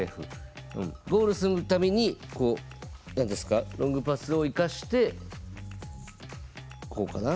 ゴールするためにこう何ですかロングパスを生かしてこうかな。